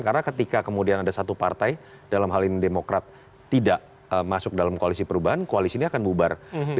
karena ketika kemudian ada satu partai dalam hal ini demokrat tidak masuk dalam koalisi perubahan koalisi ini akan bubar